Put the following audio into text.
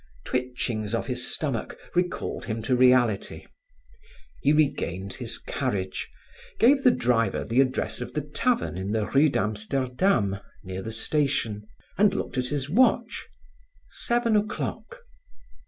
Twitchings of his stomach recalled him to reality. He regained his carriage, gave the driver the address of the tavern in the rue d'Amsterdam near the station, and looked at his watch: seven o'clock.